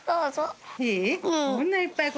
いい？